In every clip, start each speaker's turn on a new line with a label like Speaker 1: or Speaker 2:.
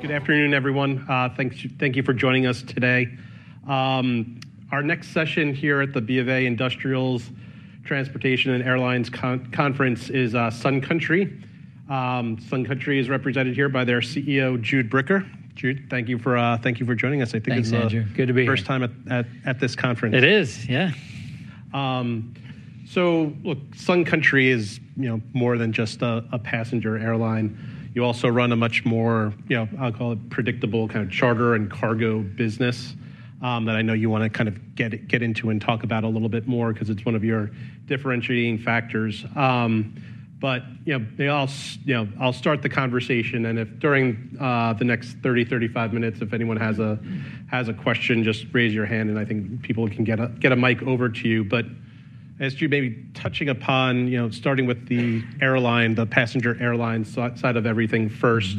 Speaker 1: Good afternoon, everyone. Thank you for joining us today. Our next session here at the BofA Industrials Transportation and Airlines Conference is Sun Country. Sun Country is represented here by their CEO, Jude Bricker. Jude, thank you for joining us. I think it's a good first time at this conference.
Speaker 2: It is, yeah.
Speaker 1: Sun Country is more than just a passenger airline. You also run a much more, I'll call it, predictable charter and cargo business that I know you want to kind of get into and talk about a little bit more because it's one of your differentiating factors. I'll start the conversation. If during the next 30-35 minutes, anyone has a question, just raise your hand. I think people can get a mic over to you. As Jude, maybe touching upon, starting with the airline, the passenger airline side of everything first,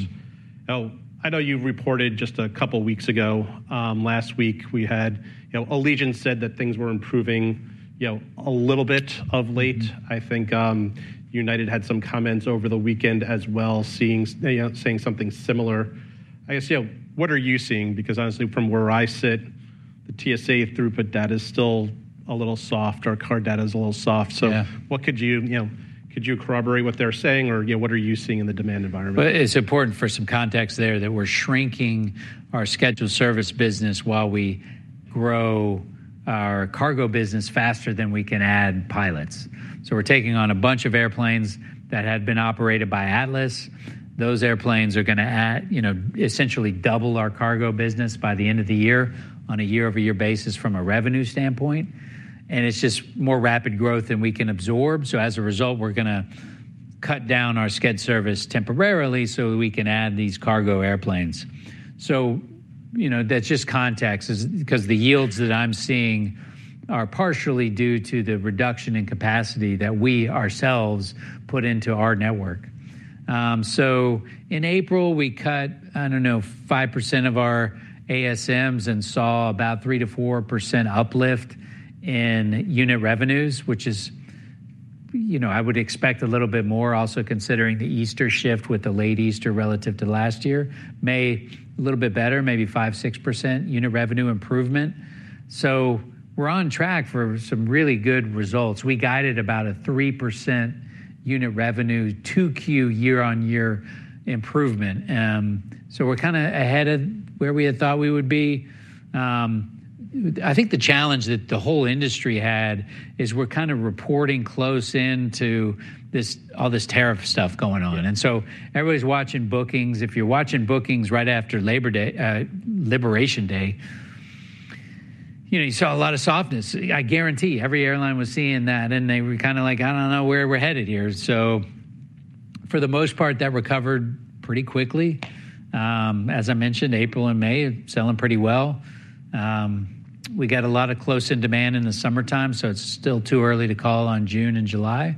Speaker 1: I know you reported just a couple of weeks ago. Last week, Allegiant said that things were improving a little bit of late. I think United had some comments over the weekend as well, saying something similar. I guess, what are you seeing? Because honestly, from where I sit, the TSA throughput data is still a little soft. Our car data is a little soft. Could you corroborate what they're saying? Or what are you seeing in the demand environment?
Speaker 2: It's important for some context there that we're shrinking our scheduled service business while we grow our cargo business faster than we can add pilots. We are taking on a bunch of airplanes that had been operated by Atlas. Those airplanes are going to essentially double our cargo business by the end of the year on a year-over-year basis from a revenue standpoint. It's just more rapid growth than we can absorb. As a result, we're going to cut down our scheduled service temporarily so we can add these cargo airplanes. That's just context because the yields that I'm seeing are partially due to the reduction in capacity that we ourselves put into our network. In April, we cut, I don't know, 5% of our ASMs and saw about 3%-4% uplift in unit revenues, which is, you know, I would expect a little bit more, also considering the Easter shift with the late Easter relative to last year. May a little bit better, maybe 5%-6% unit revenue improvement. We're on track for some really good results. We guided about a 3% unit revenue 2Q year-on-year improvement. We're kind of ahead of where we had thought we would be. I think the challenge that the whole industry had is we're kind of reporting close in to all this tariff stuff going on. Everybody's watching bookings. If you're watching bookings right after Liberation Day, you saw a lot of softness. I guarantee every airline was seeing that. They were kind of like, I don't know where we're headed here. For the most part, that recovered pretty quickly. As I mentioned, April and May selling pretty well. We got a lot of close-in demand in the summertime. It's still too early to call on June and July.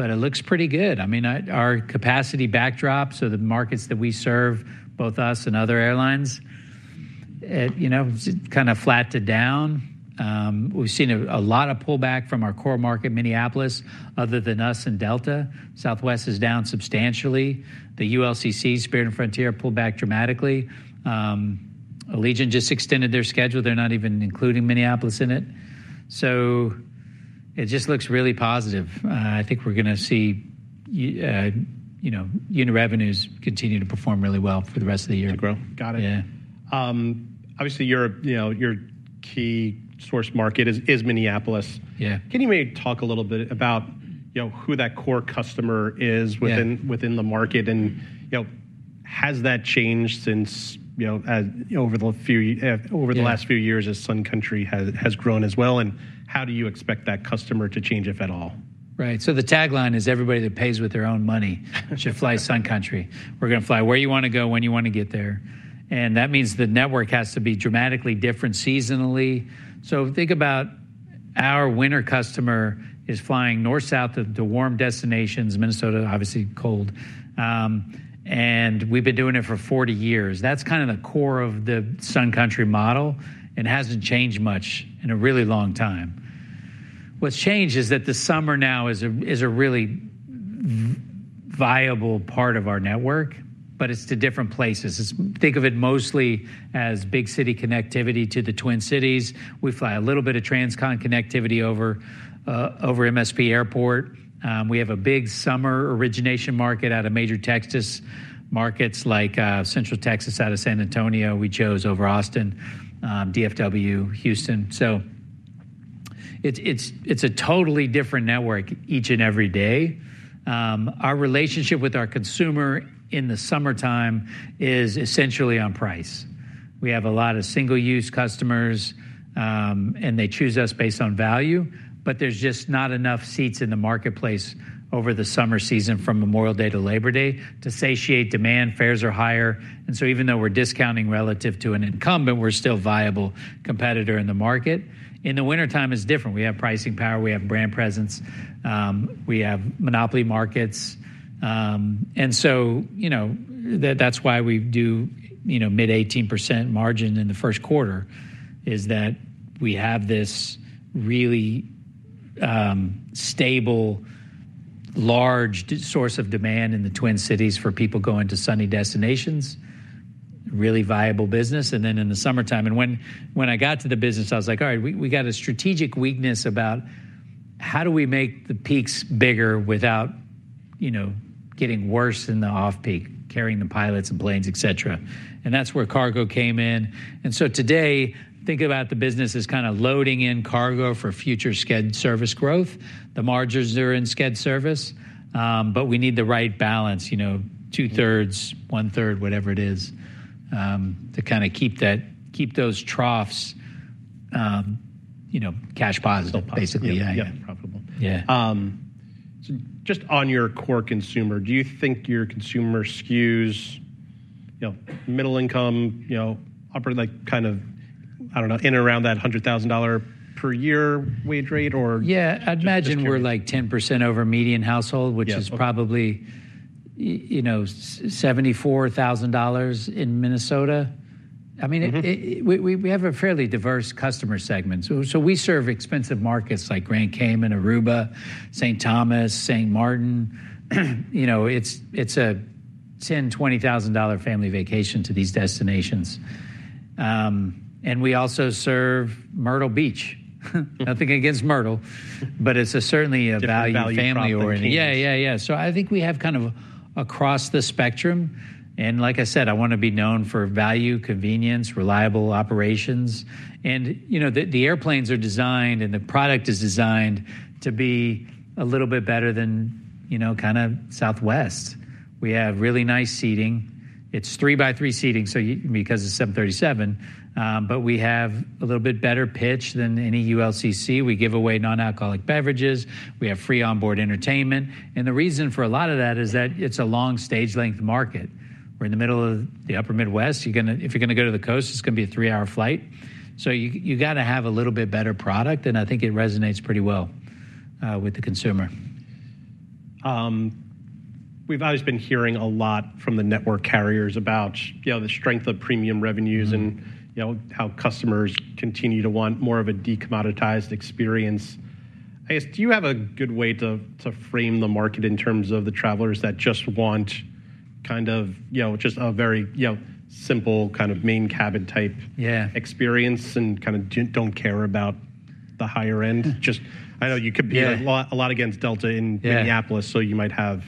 Speaker 2: It looks pretty good. I mean, our capacity backdrop, the markets that we serve, both us and other airlines, it kind of flattened down. We've seen a lot of pullback from our core market, Minneapolis, other than us and Delta. Southwest is down substantially. The ULCC, Spirit and Frontier, pulled back dramatically. Allegiant just extended their schedule. They're not even including Minneapolis in it. It just looks really positive. I think we're going to see unit revenues continue to perform really well for the rest of the year.
Speaker 1: To grow.
Speaker 2: Yeah.
Speaker 1: Obviously, your key source market is Minneapolis.
Speaker 2: Yeah.
Speaker 1: Can you maybe talk a little bit about who that core customer is within the market? Has that changed over the last few years as Sun Country has grown as well? How do you expect that customer to change, if at all?
Speaker 2: Right. The tagline is everybody that pays with their own money should fly Sun Country. We're going to fly where you want to go, when you want to get there. That means the network has to be dramatically different seasonally. Think about our winter customer is flying north-south to warm destinations, Minnesota, obviously cold. We've been doing it for 40 years. That's kind of the core of the Sun Country model. It hasn't changed much in a really long time. What's changed is that the summer now is a really viable part of our network. It's to different places. Think of it mostly as big city connectivity to the Twin Cities. We fly a little bit of transcon connectivity over MSP Airport. We have a big summer origination market out of major Texas markets like Central Texas, out of San Antonio. We chose over Austin, DFW, Houston. It is a totally different network each and every day. Our relationship with our consumer in the summertime is essentially on price. We have a lot of single-use customers. They choose us based on value. There is just not enough seats in the marketplace over the summer season from Memorial Day to Labor Day to satiate demand. Fares are higher. Even though we are discounting relative to an incumbent, we are still a viable competitor in the market. In the wintertime, it is different. We have pricing power. We have brand presence. We have monopoly markets. That is why we do mid-18% margin in the first quarter, is that we have this really stable, large source of demand in the Twin Cities for people going to sunny destinations, really viable business. In the summertime, and when I got to the business, I was like, all right, we got a strategic weakness about how do we make the peaks bigger without getting worse in the off-peak, carrying the pilots and planes, et cetera. That is where cargo came in. Today, think about the business as kind of loading in cargo for future sched service growth. The margins are in sched service. We need the right balance, two-thirds, one-third, whatever it is, to kind of keep those troughs cash positive, basically.
Speaker 1: Profitable.
Speaker 2: Yeah.
Speaker 1: Just on your core consumer, do you think your consumer skews middle-income, kind of, I don't know, in and around that $100,000 per year wage rate?
Speaker 2: Yeah. I'd imagine we're like 10% over median household, which is probably $74,000 in Minnesota. I mean, we have a fairly diverse customer segment. So we serve expensive markets like Grand Cayman, Aruba, St. Thomas, St. Martin. It's a $10,000-$20,000 family vacation to these destinations. And we also serve Myrtle Beach. Nothing against Myrtle. But it's certainly a value family-oriented.
Speaker 1: A value [property].
Speaker 2: Yeah, yeah, yeah. I think we have kind of across the spectrum. Like I said, I want to be known for value, convenience, reliable operations. The airplanes are designed and the product is designed to be a little bit better than kind of Southwest. We have really nice seating. It is 3x3 seating, so because it is 737. We have a little bit better pitch than any ULCC. We give away non-alcoholic beverages. We have free onboard entertainment. The reason for a lot of that is that it is a long stage length market. We are in the middle of the upper Midwest. If you are going to go to the coast, it is going to be a three-hour flight. You have got to have a little bit better product. I think it resonates pretty well with the consumer.
Speaker 1: We've always been hearing a lot from the network carriers about the strength of premium revenues and how customers continue to want more of a decommoditized experience. I guess, do you have a good way to frame the market in terms of the travelers that just want kind of just a very simple kind of main cabin type experience and kind of don't care about the higher end? I know you compare a lot against Delta in Minneapolis. You might have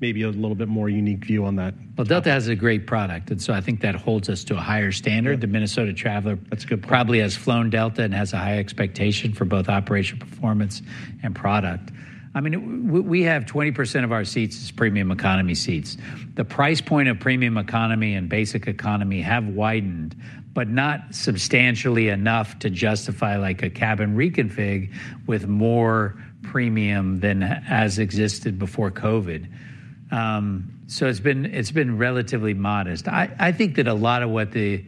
Speaker 1: maybe a little bit more unique view on that.
Speaker 2: Delta has a great product. I think that holds us to a higher standard. The Minnesota traveler probably has flown Delta and has a high expectation for both operational performance and product. I mean, we have 20% of our seats as premium economy seats. The price point of premium economy and basic economy have widened, but not substantially enough to justify a cabin reconfig with more premium than has existed before COVID. It has been relatively modest. I think that a lot of what the,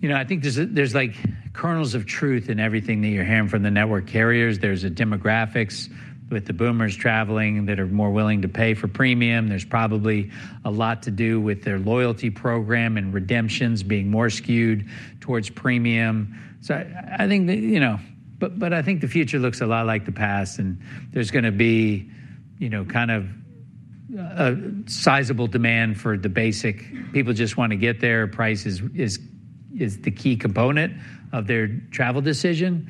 Speaker 2: you know, I think there are like kernels of truth in everything that you're hearing from the network carriers. There is a demographics with the boomers traveling that are more willing to pay for premium. There is probably a lot to do with their loyalty program and redemptions being more skewed towards premium. I think the future looks a lot like the past. There's going to be kind of sizable demand for the basic. People just want to get there. Price is the key component of their travel decision.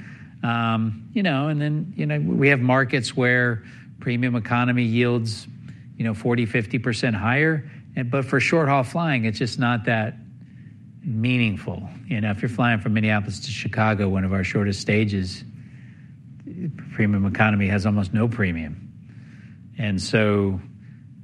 Speaker 2: We have markets where premium economy yields 40%-50% higher. For short-haul flying, it's just not that meaningful. If you're flying from Minneapolis to Chicago, one of our shortest stages, premium economy has almost no premium.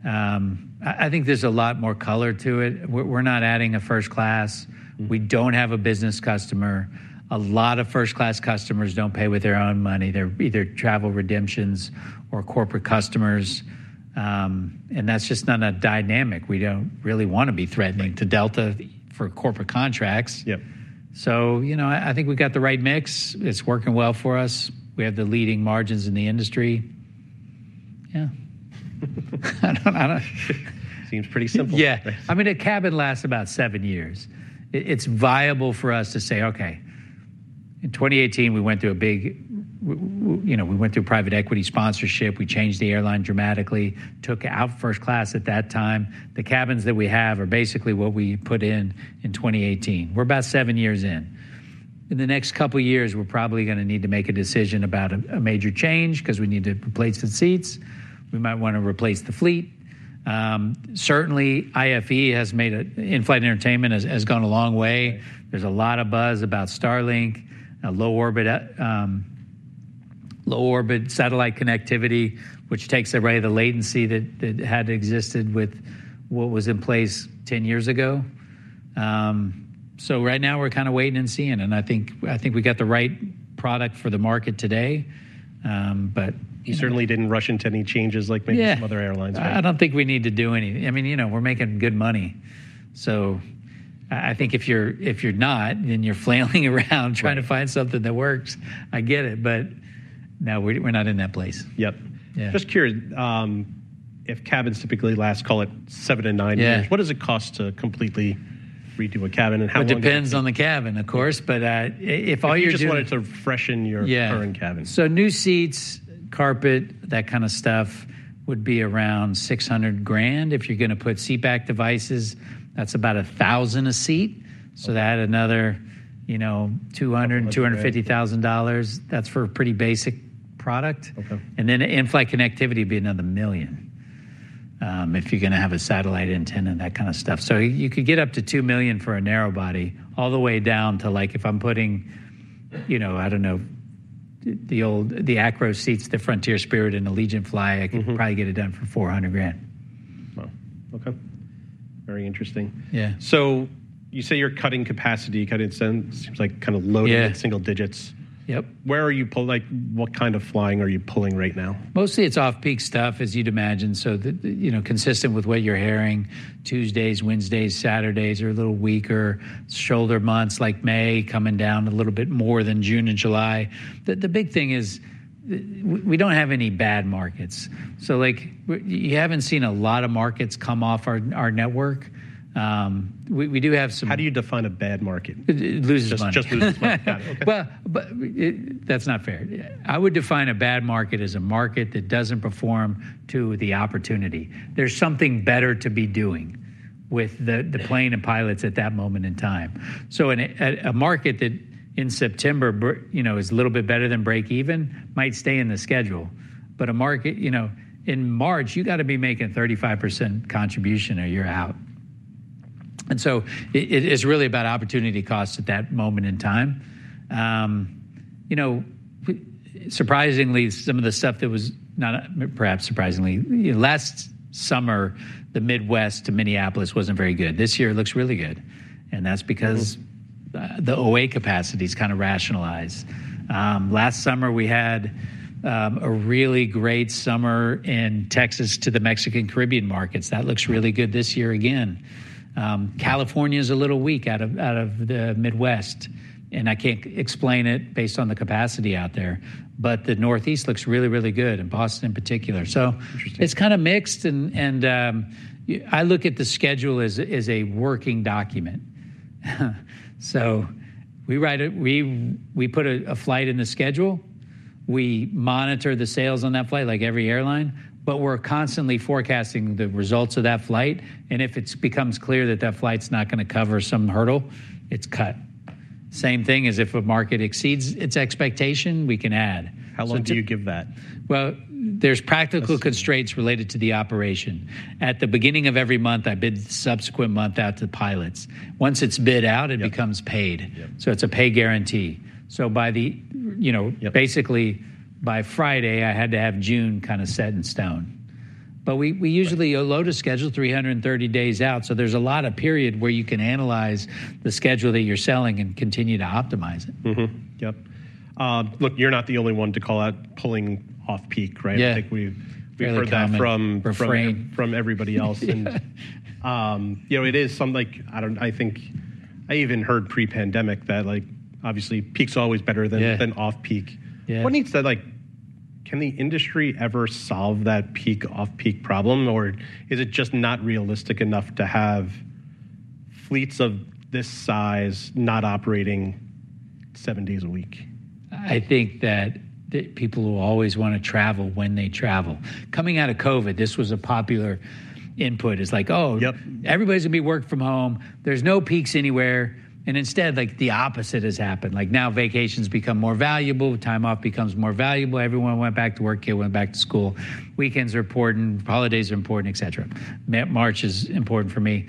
Speaker 2: I think there's a lot more color to it. We're not adding a first class. We don't have a business customer. A lot of first class customers don't pay with their own money. They're either travel redemptions or corporate customers. That's just not a dynamic. We don't really want to be threatening to Delta for corporate contracts. I think we've got the right mix. It's working well for us. We have the leading margins in the industry. Yeah.
Speaker 1: Seems pretty simple.
Speaker 2: Yeah. I mean, a cabin lasts about seven years. It's viable for us to say, OK, in 2018, we went through a big, you know, we went through private equity sponsorship. We changed the airline dramatically, took out first class at that time. The cabins that we have are basically what we put in in 2018. We're about seven years in. In the next couple of years, we're probably going to need to make a decision about a major change because we need to replace the seats. We might want to replace the fleet. Certainly, IFE has made it. In-flight entertainment has gone a long way. There's a lot of buzz about Starlink, low-orbit satellite connectivity, which takes away the latency that had existed with what was in place 10 years ago. Right now, we're kind of waiting and seeing. I think we got the right product for the market today.
Speaker 1: You certainly didn't rush into any changes like maybe some other airlines.
Speaker 2: I don't think we need to do anything. I mean, you know, we're making good money. So I think if you're not, then you're flailing around trying to find something that works. I get it. But no, we're not in that place.
Speaker 1: Yep. Just curious, if cabins typically last, call it seven to nine years, what does it cost to completely redo a cabin? And how long?
Speaker 2: It depends on the cabin, of course. If all you're doing.
Speaker 1: I just wanted to freshen your current cabin.
Speaker 2: New seats, carpet, that kind of stuff would be around $600,000. If you're going to put seatback devices, that's about $1,000 a seat. That adds another $200,000-$250,000. That's for a pretty basic product. In-flight connectivity would be another $1 million if you're going to have a satellite antenna and that kind of stuff. You could get up to $2 million for a narrow-body all the way down to like if I'm putting, you know, I don't know, the Acro seats, the Frontier, Spirit, and Allegiant fly. I could probably get it done for $400,000.
Speaker 1: Wow. OK. Very interesting.
Speaker 2: Yeah.
Speaker 1: You say you're cutting capacity. You cut it, it seems like kind of loaded in single-digits.
Speaker 2: Yep.
Speaker 1: Where are you pulling? What kind of flying are you pulling right now?
Speaker 2: Mostly it's off-peak stuff, as you'd imagine. So consistent with what you're hearing. Tuesdays, Wednesdays, Saturdays are a little weaker. Shoulder months like May coming down a little bit more than June and July. The big thing is we don't have any bad markets. So you haven't seen a lot of markets come off our network. We do have some.
Speaker 1: How do you define a bad market?
Speaker 2: Losers' money.
Speaker 1: Just losers' money. OK.
Speaker 2: I would define a bad market as a market that does not perform to the opportunity. There is something better to be doing with the plane and pilots at that moment in time. A market that in September is a little bit better than break-even might stay in the schedule. A market, you know, in March, you have got to be making a 35% contribution a year out. It is really about opportunity cost at that moment in time. You know, surprisingly, some of the stuff that was not, perhaps surprisingly, last summer, the Midwest to Minneapolis was not very good. This year looks really good. That is because the OA capacity has kind of rationalized. Last summer, we had a really great summer in Texas to the Mexican Caribbean markets. That looks really good this year again. California is a little weak out of the Midwest. I can't explain it based on the capacity out there. The Northeast looks really, really good, and Boston in particular. It's kind of mixed. I look at the schedule as a working document. We write it. We put a flight in the schedule. We monitor the sales on that flight, like every airline. We're constantly forecasting the results of that flight. If it becomes clear that that flight's not going to cover some hurdle, it's cut. Same thing as if a market exceeds its expectation, we can add.
Speaker 1: How long do you give that?
Speaker 2: There are practical constraints related to the operation. At the beginning of every month, I bid the subsequent month out to the pilots. Once it is bid out, it becomes paid. It is a pay guarantee. Basically, by Friday, I had to have June kind of set in stone. We usually load a schedule 330 days out. There is a lot of period where you can analyze the schedule that you are selling and continue to optimize it.
Speaker 1: Yep. Look, you're not the only one to call out pulling off-peak, right?
Speaker 2: Yeah.
Speaker 1: I think we've heard that from everybody else. It is something like, I think I even heard pre-pandemic that obviously peak's always better than off-peak. What needs to, like, can the industry ever solve that peak-off-peak problem? Is it just not realistic enough to have fleets of this size not operating seven days a week?
Speaker 2: I think that people who always want to travel when they travel. Coming out of COVID, this was a popular input. It's like, oh, everybody's going to be working from home. There's no peaks anywhere. Instead, the opposite has happened. Like now vacations become more valuable. Time off becomes more valuable. Everyone went back to work. Kids went back to school. Weekends are important. Holidays are important, et cetera. March is important for me.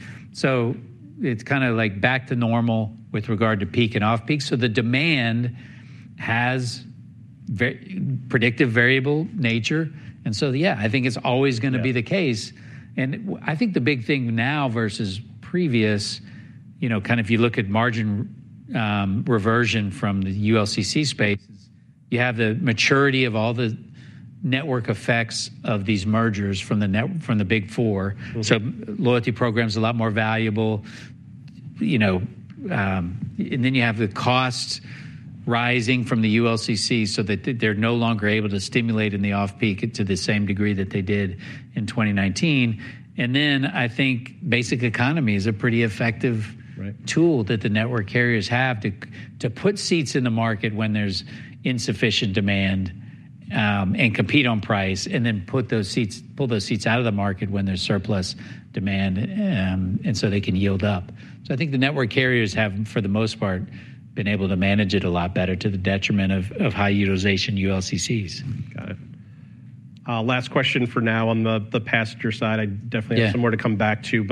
Speaker 2: It's kind of like back to normal with regard to peak and off-peak. The demand has predictive variable nature. Yeah, I think it's always going to be the case. I think the big thing now versus previous, kind of if you look at margin reversion from the ULCC space, you have the maturity of all the network effects of these mergers from the Big Four. Loyalty program's a lot more valuable. And then you have the cost rising from the ULCC so that they're no longer able to stimulate in the off-peak to the same degree that they did in 2019. I think basic economy is a pretty effective tool that the network carriers have to put seats in the market when there's insufficient demand and compete on price, and then pull those seats out of the market when there's surplus demand so they can yield up. I think the network carriers have, for the most part, been able to manage it a lot better to the detriment of high utilization ULCCs.
Speaker 1: Got it. Last question for now on the passenger side. I definitely have somewhere to come back to.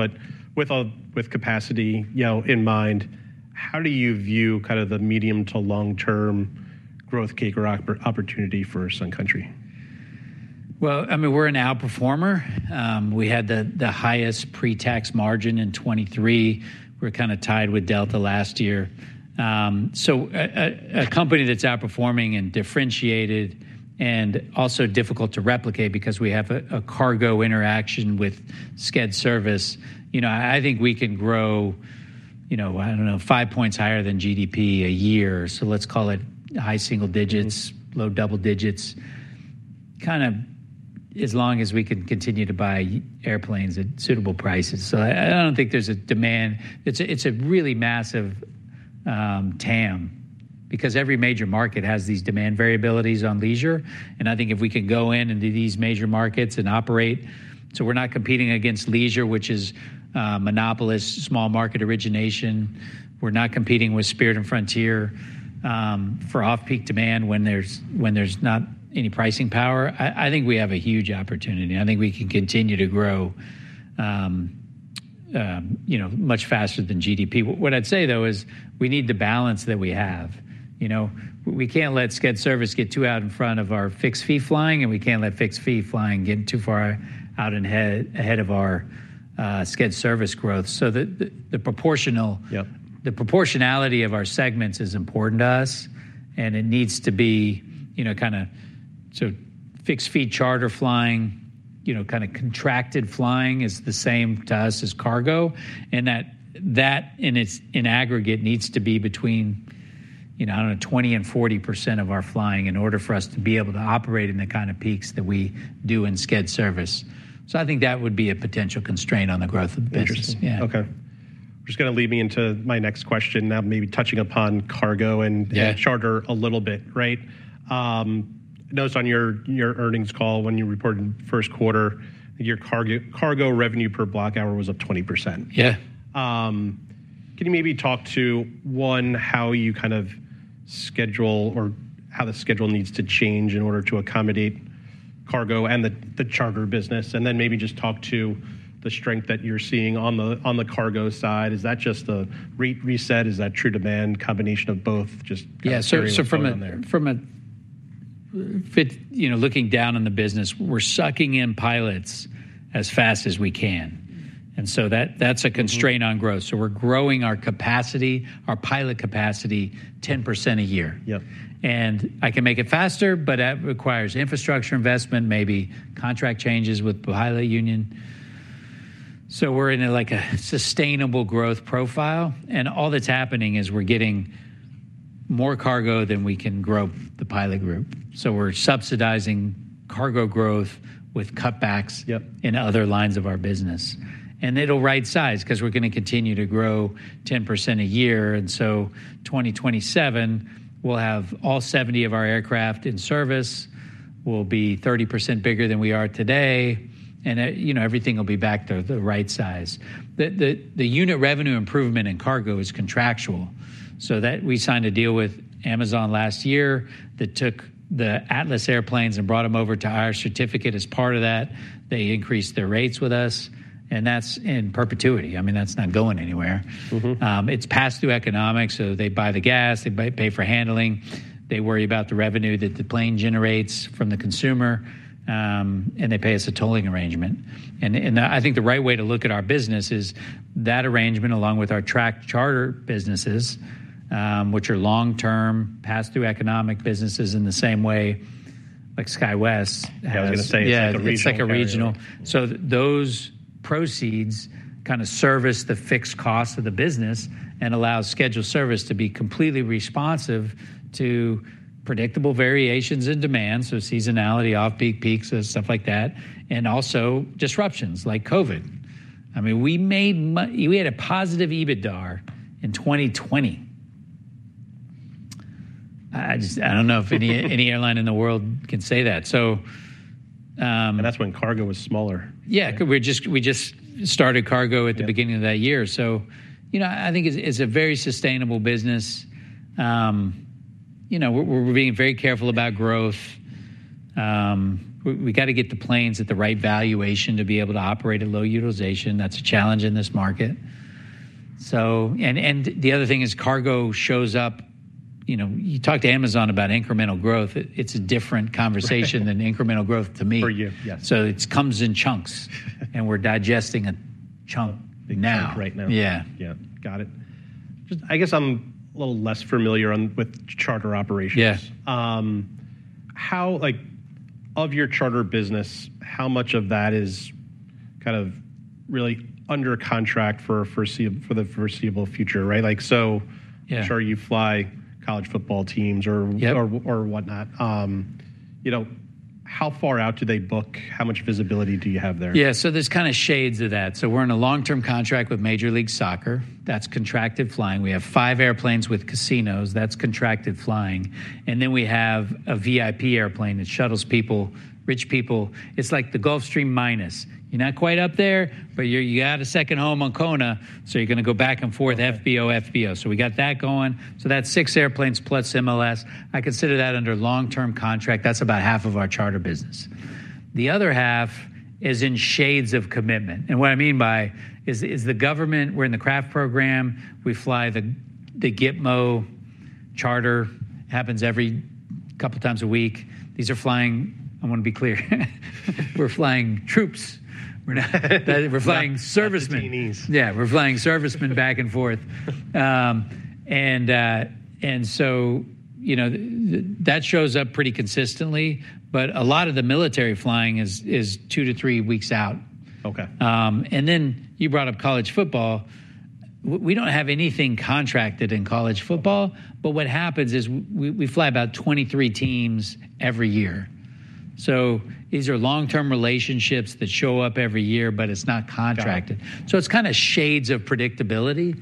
Speaker 1: With capacity in mind, how do you view kind of the medium to long-term growth cake or opportunity for Sun Country?
Speaker 2: I mean, we're an outperformer. We had the highest pre-tax margin in 2023. We were kind of tied with Delta last year. A company that's outperforming and differentiated and also difficult to replicate because we have a cargo interaction with sched service, I think we can grow, I don't know, five points higher than GDP a year. Let's call it high single-digits, low double-digits, kind of as long as we can continue to buy airplanes at suitable prices. I don't think there's a demand. It's a really massive TAM because every major market has these demand variabilities on leisure. I think if we can go in and do these major markets and operate, we're not competing against leisure, which is monopolist, small market origination. We're not competing with Spirit and Frontier for off-peak demand when there's not any pricing power. I think we have a huge opportunity. I think we can continue to grow much faster than GDP. What I'd say, though, is we need the balance that we have. We can't let sched service get too out in front of our fixed fee flying, and we can't let fixed fee flying get too far out ahead of our sched service growth. The proportionality of our segments is important to us. It needs to be kind of, so fixed fee charter flying, kind of contracted flying, is the same to us as cargo. That in aggregate needs to be between, I don't know, 20% and 40% of our flying in order for us to be able to operate in the kind of peaks that we do in Sched Service. I think that would be a potential constraint on the growth of business.
Speaker 1: Interesting. OK. You're just going to lead me into my next question now, maybe touching upon cargo and charter a little bit, right? I noticed on your earnings call when you reported first quarter, your cargo revenue per block hour was up 20%.
Speaker 2: Yeah.
Speaker 1: Can you maybe talk to, one, how you kind of schedule or how the schedule needs to change in order to accommodate cargo and the charter business? Then maybe just talk to the strength that you're seeing on the cargo side. Is that just a rate reset? Is that true demand, combination of both? Just.
Speaker 2: Yeah. From looking down on the business, we're sucking in pilots as fast as we can. That's a constraint on growth. We're growing our capacity, our pilot capacity, 10% a year. I can make it faster, but that requires infrastructure investment, maybe contract changes with the pilot union. We're in like a sustainable growth profile. All that's happening is we're getting more cargo than we can grow the pilot group. We're subsidizing cargo growth with cutbacks in other lines of our business. It'll right size because we're going to continue to grow 10% a year. In 2027, we'll have all 70 of our aircraft in service. We'll be 30% bigger than we are today. Everything will be back to the right size. The unit revenue improvement in cargo is contractual. We signed a deal with Amazon last year that took the Atlas airplanes and brought them over to our certificate as part of that. They increased their rates with us. That is in perpetuity. I mean, that is not going anywhere. It is passed through economics. They buy the gas. They pay for handling. They worry about the revenue that the plane generates from the consumer. They pay us a tolling arrangement. I think the right way to look at our business is that arrangement along with our tracked charter businesses, which are long-term, passed-through economic businesses in the same way like SkyWest.
Speaker 1: Yeah, I was going to say.
Speaker 2: Yeah, it's like a regional. So those proceeds kind of service the fixed cost of the business and allow scheduled service to be completely responsive to predictable variations in demand, so seasonality, off-peak peaks, stuff like that, and also disruptions like COVID. I mean, we had a positive EBITDA in 2020. I don't know if any airline in the world can say that. So.
Speaker 1: That's when cargo was smaller.
Speaker 2: Yeah. We just started cargo at the beginning of that year. So I think it's a very sustainable business. We're being very careful about growth. We've got to get the planes at the right valuation to be able to operate at low utilization. That's a challenge in this market. The other thing is cargo shows up. You talk to Amazon about incremental growth. It's a different conversation than incremental growth to me.
Speaker 1: For you.
Speaker 2: It comes in chunks. And we're digesting a chunk now.
Speaker 1: Right now.
Speaker 2: Yeah.
Speaker 1: Yeah. Got it. I guess I'm a little less familiar with charter operations.
Speaker 2: Yes.
Speaker 1: Of your charter business, how much of that is kind of really under contract for the foreseeable future, right? So I'm sure you fly college football teams or whatnot. How far out do they book? How much visibility do you have there?
Speaker 2: Yeah. There are kind of shades of that. We are in a long-term contract with Major League Soccer. That is contracted flying. We have five airplanes with casinos. That is contracted flying. We have a VIP airplane that shuttles people, rich people. It is like the Gulfstream Minus. You are not quite up there, but you have got a second home on Kona. You are going to go back and forth, FBO, FBO. We have got that going. That is six airplanes plus MLS. I consider that under long-term contract. That is about half of our charter business. The other half is in shades of commitment. What I mean by that is the government, we are in the CRAF program. We fly the Gitmo charter. It happens every couple of times a week. These are flying—I want to be clear. We are flying troops. We are flying servicemen.
Speaker 1: Some teenies.
Speaker 2: Yeah. We're flying servicemen back and forth. That shows up pretty consistently. A lot of the military flying is two to three weeks out. You brought up college football. We do not have anything contracted in college football. What happens is we fly about 23 teams every year. These are long-term relationships that show up every year, but it is not contracted. It is kind of shades of predictability.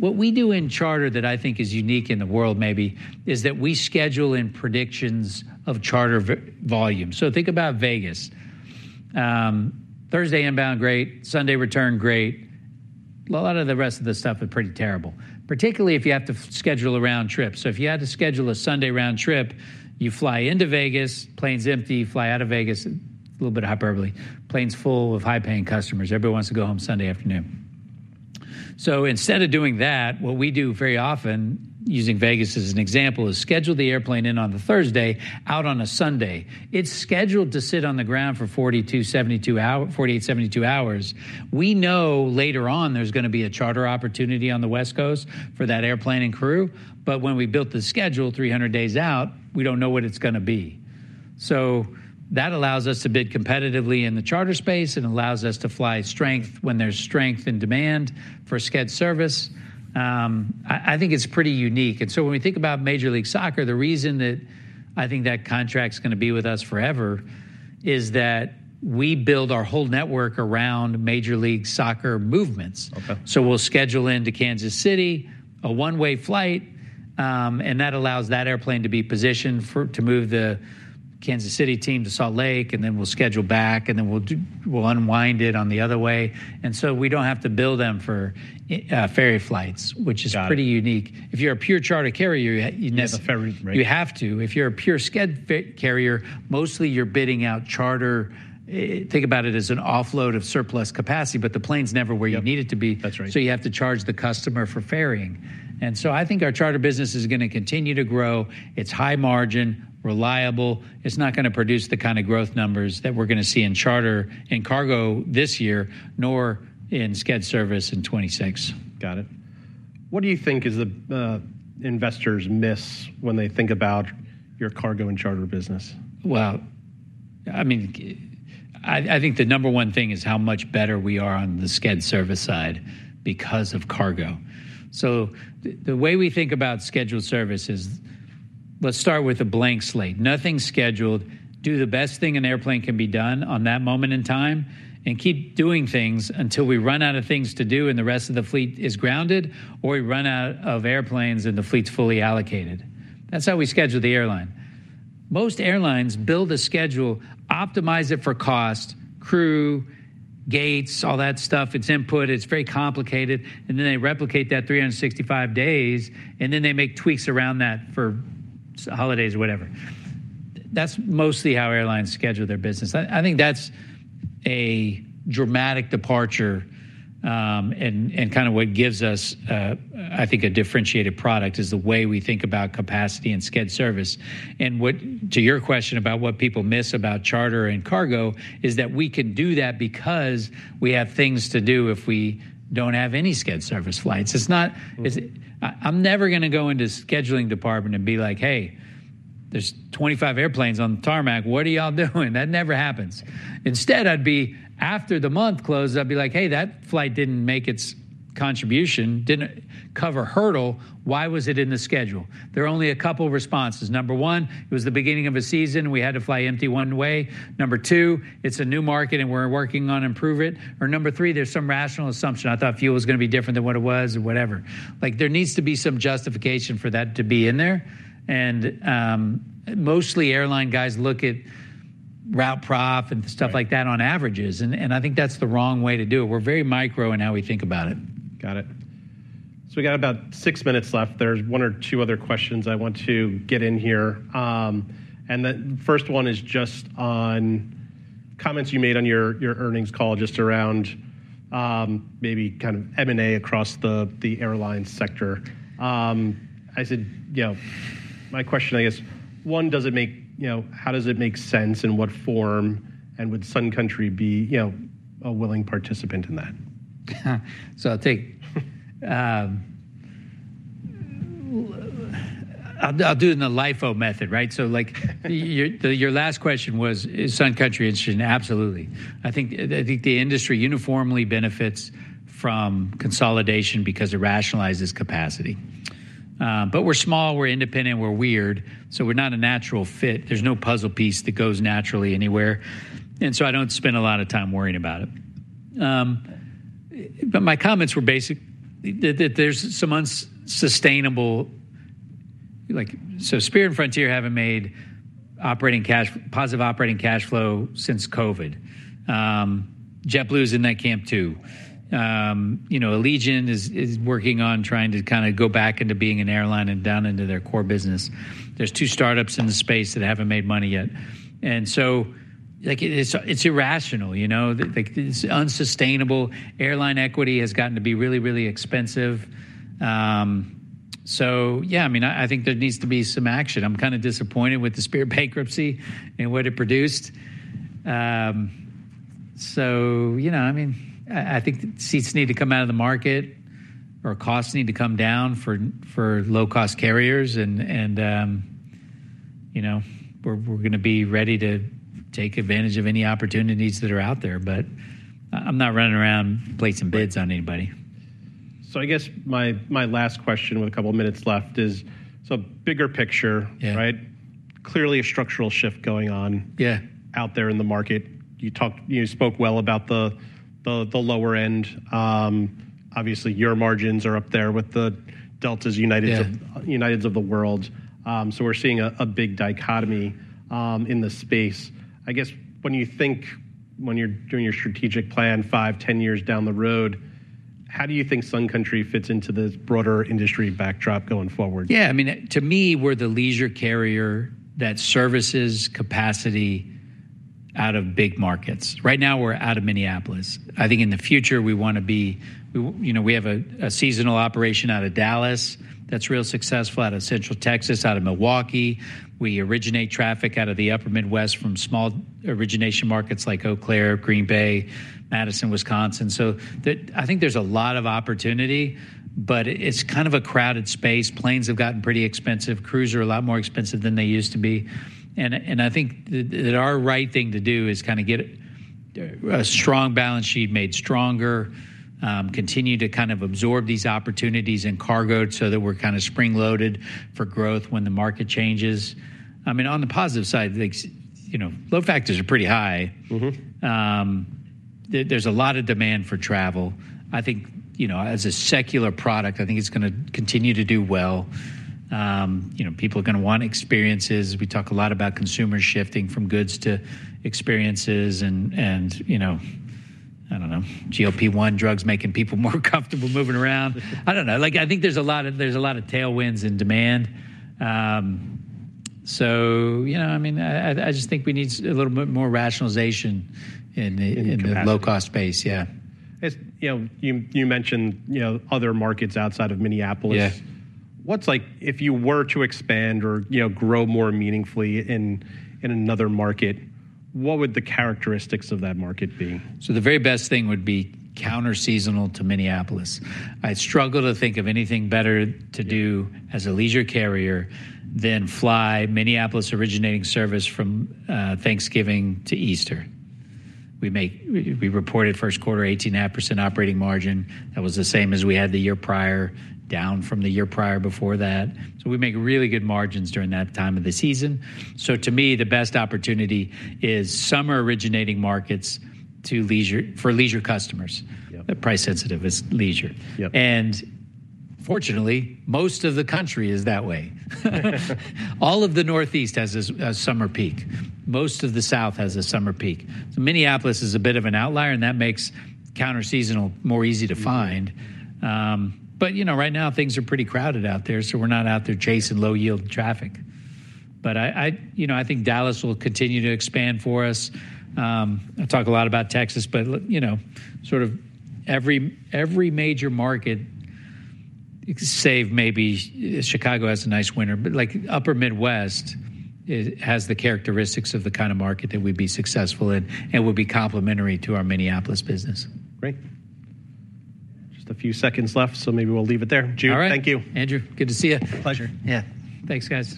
Speaker 2: What we do in charter that I think is unique in the world maybe is that we schedule in predictions of charter volume. Think about Vegas. Thursday inbound, great. Sunday return, great. A lot of the rest of the stuff is pretty terrible, particularly if you have to schedule a round trip. If you had to schedule a Sunday round trip, you fly into Vegas, plane's empty, fly out of Vegas, a little bit hyperbole, plane's full of high-paying customers. Everybody wants to go home Sunday afternoon. Instead of doing that, what we do very often, using Vegas as an example, is schedule the airplane in on the Thursday, out on a Sunday. It's scheduled to sit on the ground for 48-72 hours. We know later on there's going to be a charter opportunity on the West Coast for that airplane and crew. When we built the schedule 300 days out, we don't know what it's going to be. That allows us to bid competitively in the charter space. It allows us to fly strength when there's strength and demand for Sched Service. I think it's pretty unique. When we think about Major League Soccer, the reason that I think that contract's going to be with us forever is that we build our whole network around Major League Soccer movements. We'll schedule into Kansas City a one-way flight. That allows that airplane to be positioned to move the Kansas City team to Salt Lake. We'll schedule back. We'll unwind it on the other way. We don't have to bill them for ferry flights, which is pretty unique. If you're a pure charter carrier, you have to. If you're a pure sched carrier, mostly you're bidding out charter. Think about it as an offload of surplus capacity. The plane's never where you need it to be. You have to charge the customer for ferrying. I think our charter business is going to continue to grow. It's high margin, reliable. It's not going to produce the kind of growth numbers that we're going to see in charter and cargo this year, nor in sched service in 2026.
Speaker 1: Got it. What do you think is the investors miss when they think about your cargo and charter business?
Speaker 2: I mean, I think the number one thing is how much better we are on the sched service side because of cargo. The way we think about scheduled service is let's start with a blank slate. Nothing scheduled. Do the best thing an airplane can be done on that moment in time. Keep doing things until we run out of things to do and the rest of the fleet is grounded, or we run out of airplanes and the fleet's fully allocated. That's how we schedule the airline. Most airlines build a schedule, optimize it for cost, crew, gates, all that stuff. It's input. It's very complicated. They replicate that 365 days. They make tweaks around that for holidays or whatever. That's mostly how airlines schedule their business. I think that's a dramatic departure. What gives us, I think, a differentiated product is the way we think about capacity and sched service. To your question about what people miss about charter and cargo is that we can do that because we have things to do if we do not have any sched service flights. I am never going to go into the scheduling department and be like, "Hey, there are 25 airplanes on the tarmac. What are y'all doing?" That never happens. Instead, after the month closes, I would be like, "Hey, that flight did not make its contribution, did not cover hurdle. Why was it in the schedule?" There are only a couple of responses. Number one, it was the beginning of a season. We had to fly empty one way. Number two, it is a new market, and we are working on improving it. Or number three, there is some rational assumption. I thought fuel was going to be different than what it was or whatever. There needs to be some justification for that to be in there. Mostly airline guys look at route prof and stuff like that on averages. I think that's the wrong way to do it. We're very micro in how we think about it.
Speaker 1: Got it. We have about six minutes left. There is one or two other questions I want to get in here. The first one is just on comments you made on your earnings call just around maybe kind of M&A across the airline sector. I said, my question, I guess, one, does it make how does it make sense in what form? Would Sun Country be a willing participant in that?
Speaker 2: I'll do it in the LIFO method, right? Your last question was, is Sun Country interested? Absolutely. I think the industry uniformly benefits from consolidation because it rationalizes capacity. We are small. We are independent. We are weird. We are not a natural fit. There is no puzzle piece that goes naturally anywhere. I do not spend a lot of time worrying about it. My comments were basic that there is some unsustainable, so Spirit and Frontier have not made positive operating cash flow since COVID. JetBlue is in that camp too. Allegiant is working on trying to kind of go back into being an airline and down into their core business. There are two startups in the space that have not made money yet. It is irrational. It is unsustainable. Airline equity has gotten to be really, really expensive. Yeah, I mean, I think there needs to be some action. I'm kind of disappointed with the Spirit bankruptcy and what it produced. I mean, I think seats need to come out of the market or costs need to come down for low-cost carriers. We're going to be ready to take advantage of any opportunities that are out there. I'm not running around placing bids on anybody.
Speaker 1: I guess my last question with a couple of minutes left is, bigger picture, right? Clearly a structural shift going on out there in the market. You spoke well about the lower end. Obviously, your margins are up there with the Delta's, United's of the world. We're seeing a big dichotomy in the space. I guess when you think, when you're doing your strategic plan five, ten years down the road, how do you think Sun Country fits into this broader industry backdrop going forward?
Speaker 2: Yeah. I mean, to me, we're the leisure carrier that services capacity out of big markets. Right now, we're out of Minneapolis. I think in the future, we want to be—we have a seasonal operation out of Dallas that's real successful, out of Central Texas, out of Milwaukee. We originate traffic out of the upper Midwest from small origination markets like Eau Claire, Green Bay, Madison, Wisconsin. I think there's a lot of opportunity. It's kind of a crowded space. Planes have gotten pretty expensive. Crews are a lot more expensive than they used to be. I think that our right thing to do is kind of get a strong balance sheet made stronger, continue to kind of absorb these opportunities in cargo so that we're kind of spring-loaded for growth when the market changes. I mean, on the positive side, load factors are pretty high. There's a lot of demand for travel. I think as a secular product, I think it's going to continue to do well. People are going to want experiences. We talk a lot about consumers shifting from goods to experiences and, I don't know, GLP-1 drugs making people more comfortable moving around. I don't know. I think there's a lot of tailwinds in demand. I just think we need a little bit more rationalization in the low-cost space. Yeah.
Speaker 1: You mentioned other markets outside of Minneapolis. What's like, if you were to expand or grow more meaningfully in another market, what would the characteristics of that market be?
Speaker 2: The very best thing would be counter-seasonal to Minneapolis. I struggle to think of anything better to do as a leisure carrier than fly Minneapolis originating service from Thanksgiving to Easter. We reported first quarter 18.5% operating margin. That was the same as we had the year prior, down from the year prior before that. We make really good margins during that time of the season. To me, the best opportunity is summer originating markets for leisure customers. Price sensitive is leisure. Fortunately, most of the country is that way. All of the Northeast has a summer peak. Most of the South has a summer peak. Minneapolis is a bit of an outlier. That makes counter-seasonal more easy to find. Right now, things are pretty crowded out there. We're not out there chasing low-yield traffic. I think Dallas will continue to expand for us. I talk a lot about Texas. But sort of every major market, save maybe Chicago, has a nice winter. But upper Midwest has the characteristics of the kind of market that we'd be successful in and would be complementary to our Minneapolis business.
Speaker 1: Great. Just a few seconds left. Maybe we'll leave it there. Jude, thank you.
Speaker 2: All right. Andrew, good to see you.
Speaker 1: Pleasure.
Speaker 2: Yeah. Thanks, guys.